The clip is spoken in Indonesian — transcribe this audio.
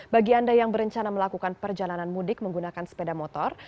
bagi anda yang berencana melakukan perjalanan mudik menggunakan sepeda motor